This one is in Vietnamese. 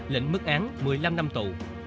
lĩnh mức án một mươi năm năm tù